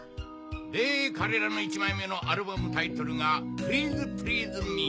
で彼らの１枚目のアルバムタイトルが『プリーズ・プリーズ・ミー』。